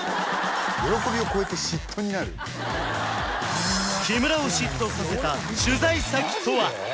喜びを超えて木村を嫉妬させた取材先とは？